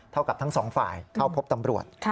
กับทั้งสองฝ่ายเข้าพบตำรวจ